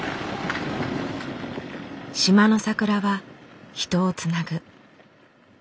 島の桜は人をつなぐ。